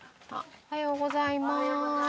おはようございます。